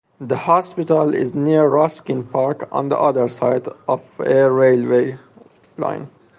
The hospital is near Ruskin Park on the other side of a railway line.